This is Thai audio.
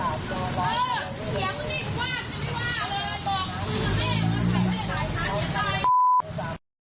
แต่อย่างที่บอกค่ะแม่ลูกสามคนนี้ไม่มีใครสวมหน้ากากอนามัยเลยอ่ะค่ะ